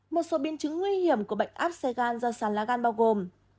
một số biến chứng nguy hiểm của bệnh áp xe gan do sán lá gan bao gồm